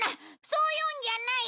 そういうんじゃない！